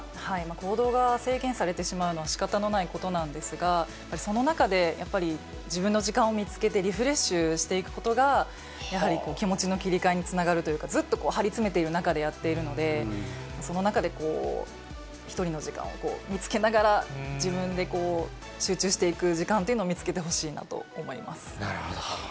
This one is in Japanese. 行動が制限されてしまうのはしかたのないことなんですが、その中で、やっぱり自分の時間を見つけてリフレッシュしていくことが、やはり気持ちの切り替えにつながるというか、ずっと張りつめている中でやっているので、その中でこう、一人の時間を見つけながら、自分で集中していく時間というのを見つけてなるほど。